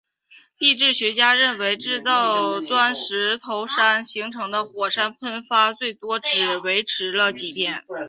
地质学家认为造成钻石头山形成的火山喷发最多只持续了几天。